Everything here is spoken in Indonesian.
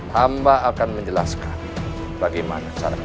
hamba akan menjelaskan bagaimana cara menyebabkan